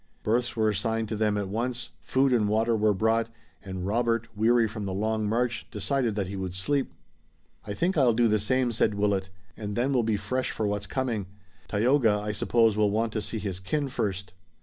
Berths were assigned to them at once, food and water were brought, and Robert, weary from the long march, decided that he would sleep. "I think I'll do the same," said Willet, "and then we'll be fresh for what's coming. Tayoga, I suppose, will want to see his kin first."